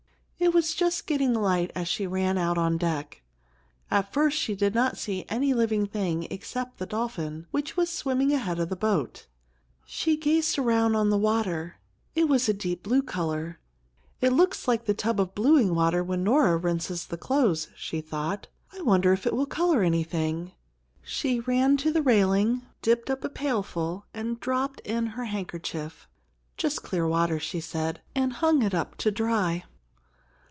It was just getting light as she ran out on deck. At first she did not see any living thing except the dolphin, which was swimming ahead of the boat. She gazed around on the water. It was a deep blue color. "It looks like the tub of bluing water when Nora rinses the clothes," she thought. "I wonder if it will color anything?" She ran to the railing, dipped up a pailful and dropped in her handkerchief. "Just clear water," she said; and hung it up to dry.